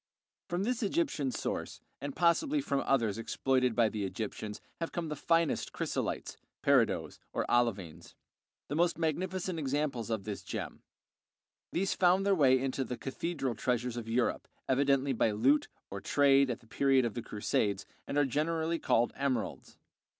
From this Egyptian source, and possibly from others exploited by the Egyptians, have come the finest chrysolites (peridots, or olivines), the most magnificent examples of this gem. These found their way into the cathedral treasures of Europe, evidently by loot or trade at the period of the Crusades, and are generally called emeralds.